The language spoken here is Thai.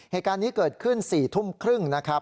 เหตุการณ์นี้เกิดขึ้น๔ทุ่มครึ่งนะครับ